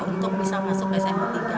untuk bisa masuk sma tiga